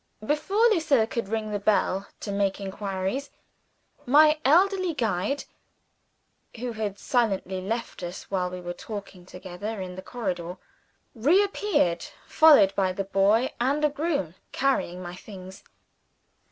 Before Lucilla could ring the bell to make inquiries, my elderly guide (who had silently left us while we were talking together in the corridor) re appeared, followed by the boy and a groom, carrying my things.